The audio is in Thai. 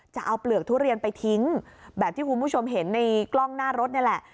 เปลือกทุเรียนไปทิ้งแบบที่คุณผู้ชมเห็นในกล้องหน้ารถนี่แหละ